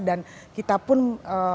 dan kita pun merasa sangat berharga